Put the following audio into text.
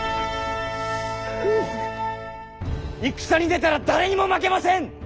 戦に出たら誰にも負けません！